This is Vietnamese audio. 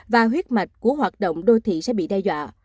và huyết mạch của hoạt động đô thị sẽ bị đe dọa